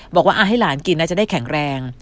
บอกว่าให้หลานกินนะจะได้แข็งแรง